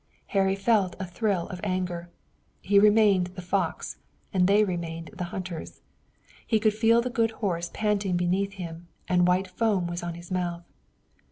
Harry felt a thrill of anger. He remained the fox, and they remained the hunters. He could feel the good horse panting beneath him, and white foam was on his mouth.